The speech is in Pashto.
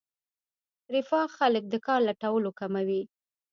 رفاه خلک د کار لټولو کموي.